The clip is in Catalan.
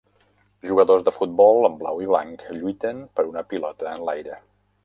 Jugadors de futbol en blau i blanc lluiten per una pilota en l'aire.